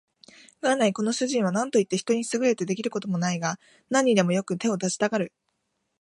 元来この主人は何といって人に優れて出来る事もないが、何にでもよく手を出したがる